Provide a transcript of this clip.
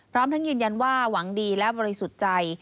พร้อมทั้งยืนยันว่าหวังดีและบริสุทธิ์ใจ